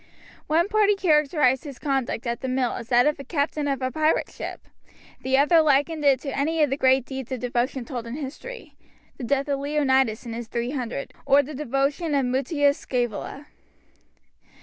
One party characterized his conduct at the mill as that of the captain of a pirate ship, the other likened it to any of the great deeds of devotion told in history the death of Leonidas and his three hundred, or the devotion of Mutius Scaevola.